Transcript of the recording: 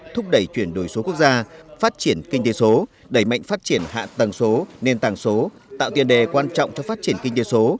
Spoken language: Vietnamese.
thúc đẩy chuyển đổi số quốc gia phát triển kinh tế số đẩy mạnh phát triển hạ tầng số nền tàng số tạo tiền đề quan trọng cho phát triển kinh tế số